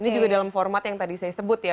ini juga dalam format yang tadi saya sebut ya